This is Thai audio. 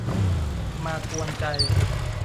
มากวนใจ